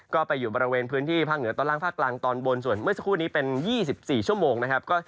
ก็ไปอยู่บริเวณพื้นที่ภาคเหนือตอนล่างภาคกลางตอนบนส่วนเมื่อสักครู่นี้เป็น๒๔ชั่วโมงนะครับ